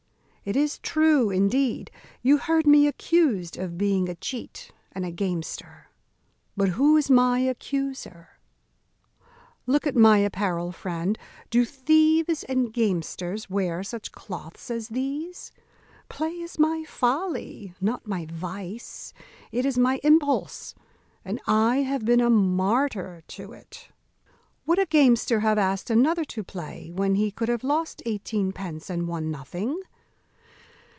It is true, indeed, you heard me accused of being a cheat and a gamester; but who is my accuser? Look at my apparel, friend; do thieves and gamesters wear such cloaths as these? play is my folly, not my vice; it is my impulse, and I have been a martyr to it. Would a gamester have asked another to play when he could have lost eighteen pence and won nothing?